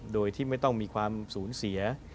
โดยที่ไม่ต้องมีความสูญเสีย